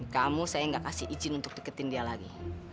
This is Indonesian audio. kamu saya nggak kasih izin untuk deketin dia lagi